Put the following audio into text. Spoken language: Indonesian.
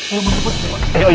ayo bantu buka